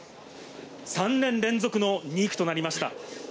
３年連続の２区となりました。